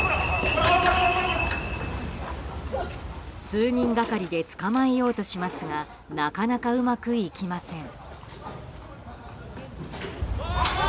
数人がかりで捕まえようとしますがなかなかうまくいきません。